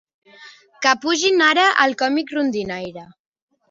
Que pugin ara el còmic rondinaire...